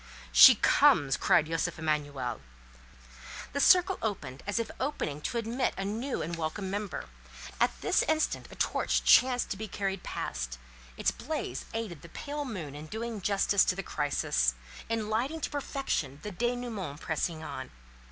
"She comes!" cried Josef Emanuel. The circle opened as if opening to admit a new and welcome member. At this instant a torch chanced to be carried past; its blaze aided the pale moon in doing justice to the crisis, in lighting to perfection the dénouement pressing on.